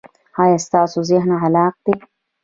ایا ستاسو ذهن خلاق دی؟